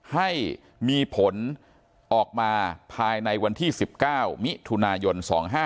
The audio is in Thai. ให้มีผลออกมาภายในวันที่๑๙มิถุนายน๒๕๕๙